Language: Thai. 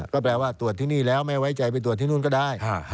ก็แปลว่าตรวจที่นี่แล้วไม่ไว้ใจไปตรวจที่นู่นก็ได้